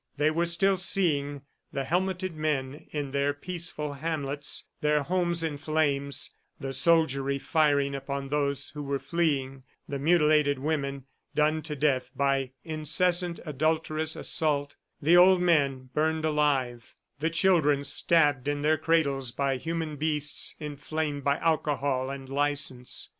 They were still seeing the helmeted men in their peaceful hamlets, their homes in flames, the soldiery firing upon those who were fleeing, the mutilated women done to death by incessant adulterous assault, the old men burned alive, the children stabbed in their cradles by human beasts inflamed by alcohol and license.